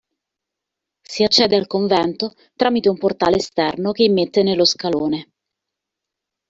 Si accede al convento tramite un portale esterno che immette nello scalone.